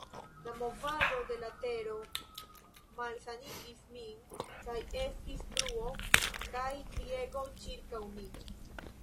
La movado de la tero malsanigis min, kaj estis bruo kaj kriego ĉirkaŭ mi.